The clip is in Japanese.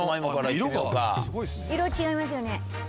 色違いますよね。